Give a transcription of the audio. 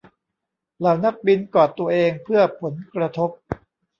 เหล่านักบินกอดตัวเองเพื่อผลกระทบ